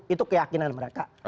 itu keyakinan mereka